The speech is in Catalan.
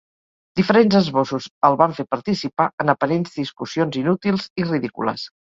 Diferents esbossos el van fer participar en aparents discussions inútils i ridícules.